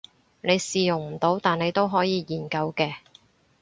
你試用唔到但你都可以研究嘅